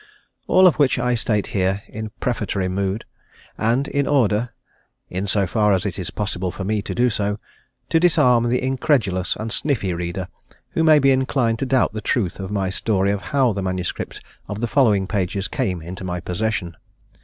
All of which I state here in prefatory mood, and in order, in so far as it is possible for me to do so, to disarm the incredulous and sniffy reader who may be inclined to doubt the truth of my story of how the manuscript of the following pages came into my possession.